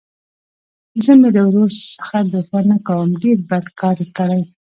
زه مې له ورور څخه دفاع نه کوم ډېر بد کار يې کړى.